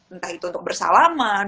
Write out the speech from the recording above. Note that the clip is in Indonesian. entah itu untuk bersalaman